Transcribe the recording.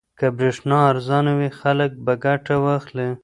که برېښنا ارزانه وي خلک به ګټه واخلي.